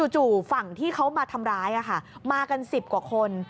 จู่ฝั่งที่เขามาทำร้ายมากัน๑๐กว่าคน